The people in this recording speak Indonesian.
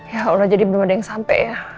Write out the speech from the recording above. ya allah jadi belum ada yang sampai ya